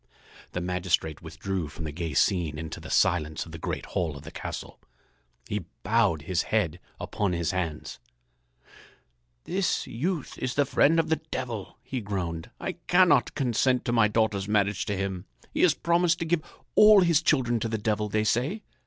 The magistrate withdrew from the gay scene into the silence of the great hall of the castle. He bowed his head upon his hands. [Illustration: He bowed his head upon his hands] "This youth is the friend of the Devil," he groaned. "I cannot consent to my daughter's marriage to him. He has promised to give all his children to the Devil, they say.